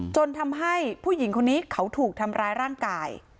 จนทำให้ผู้หญิงคนนี้เขาถูกทำร้ายร่างกาย